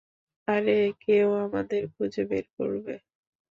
আরে, কেউ আমাদের খুঁজে বের করবে।